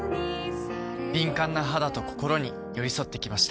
敏感な肌と心に寄り添ってきました。